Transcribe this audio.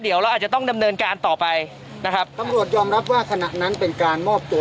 เดี๋ยวเราอาจจะต้องดำเนินการต่อไปนะครับตำรวจยอมรับว่าขณะนั้นเป็นการมอบตัว